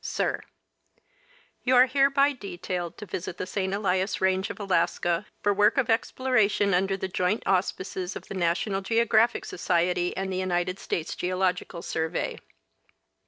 i Sir : You are hereby detailed to visit the St. Elias range of Alaska for work of exploration, under the joint auspices of the National Geographic Society and the United States Geological Surv^ey.